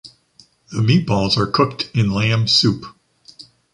The meatballs are cooked in lamb soup.